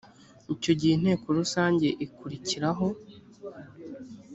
icyo gihe inteko rusange ikurikiraho